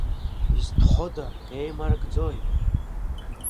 Изтәхода, еимарымкӡои?!